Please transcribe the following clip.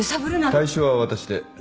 対象は私で。